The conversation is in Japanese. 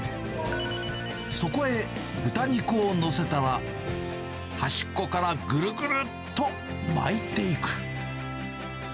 そこへ豚肉を載せたら、端っこからぐるぐるっと巻いていく。